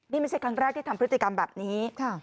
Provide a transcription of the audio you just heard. นี่ไม่ใช่ครั้งแรกที่ทำพฤติกรรมแบบนี้